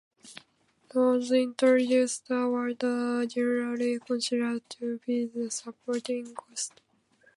Those introduced afterward are generally considered to be the supporting cast.